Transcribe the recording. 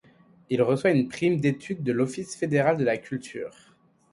Il reçoit une prime d’étude de l’Office fédéral de la culture.